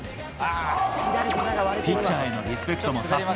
ピッチャーへのリスペクトもさすが。